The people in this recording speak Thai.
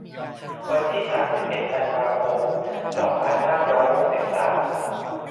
วันที่ สามสิบเอ็ด ธันวาคม สองพันห้าร้อยหกสิบสาม